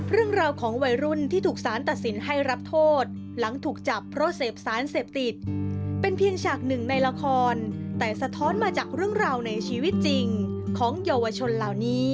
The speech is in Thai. เรื่องราวของวัยรุ่นที่ถูกสารตัดสินให้รับโทษหลังถูกจับเพราะเสพสารเสพติดเป็นเพียงฉากหนึ่งในละครแต่สะท้อนมาจากเรื่องราวในชีวิตจริงของเยาวชนเหล่านี้